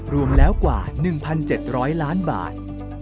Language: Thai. รวมแล้วกว่า๑๗๐๐ล้านบาท